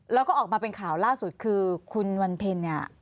แล้วก็ออกมาเป็นข่าวล่าสุดคือคุณวันเพ็ญเนี่ย